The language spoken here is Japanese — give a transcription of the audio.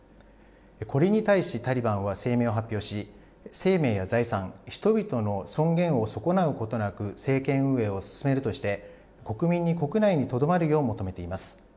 これに対し、タリバンは声明を発表し、生命や財産、人々の尊厳を損なうことなく、政権運営を進めるとして、国民に国内にとどまるよう求めています。